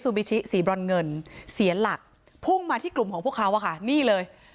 บิชิสีบรอนเงินเสียหลักพุ่งมาที่กลุ่มของพวกเขาอะค่ะนี่เลย